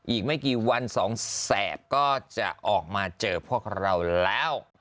อีกไม่กี่วันสองแสบก็จะออกมาเจอพวกเราแล้ว